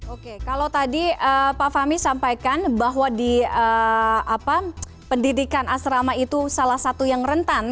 oke kalau tadi pak fahmi sampaikan bahwa di pendidikan asrama itu salah satu yang rentan